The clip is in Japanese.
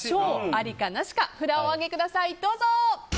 ありかなしか札をお上げください、どうぞ！